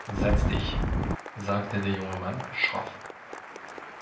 „Setz dich“, sagte der junge Mann schroff.